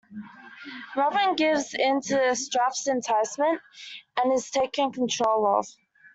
Robin gives in to Stauf's enticement and is taken control of.